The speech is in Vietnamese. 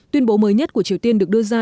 tuyên bố mới nhất của triều tiên được đưa ra